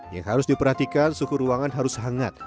yang harus diperhatikan suhu ruangan harus hangat